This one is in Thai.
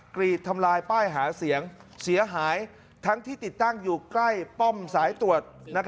กรีดทำลายป้ายหาเสียงเสียหายทั้งที่ติดตั้งอยู่ใกล้ป้อมสายตรวจ